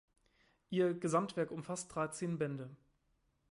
Ihr Gesamtwerk umfasst dreizehn Bände.